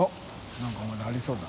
何かまだありそうだな。